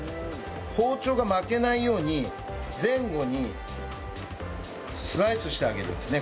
包丁が負けないように前後にスライスしてあげるんですね。